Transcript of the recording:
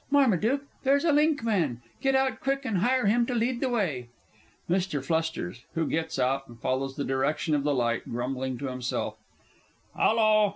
_) Marmaduke, there's a linkman. Get out quick, and hire him to lead the way. MR. F. (who gets out, and follows in the direction of the light, grumbling to himself). Hallo!